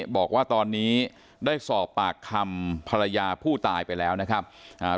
บอกว่าตอนนี้ได้สอบปากคำภรรยาผู้ตายไปแล้วนะครับอ่า